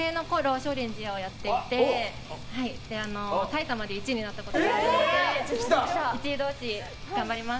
少林寺をやっていて埼玉で１位になったこともあるので１位同士、頑張ります！